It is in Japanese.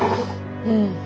うん。